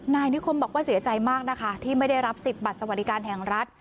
นายนิคมบอกว่าเสียใจมากนะคะที่ไม่ได้รับสิทธิบัตรสวัสดิการแห่งรัฐ